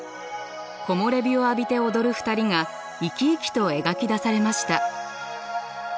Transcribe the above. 木漏れ日を浴びて踊る２人が生き生きと描き出されました。